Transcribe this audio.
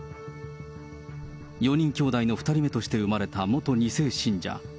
４人きょうだいの２人目として産まれた元２世信者。